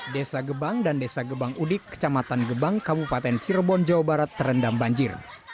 desa gebang dan desa gebang udik kecamatan gebang kabupaten cirebon jawa barat terendam banjir